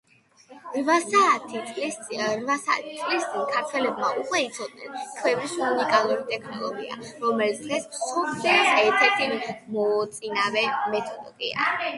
რვაათასი წლისწინ ქართველებმა უკვე იცოდნენ ქვევრის უნიკალური ტექნოლოგია რომელიც დღეს მსოფლიოს ერთერთ მოწინავე მეთოდადიქცა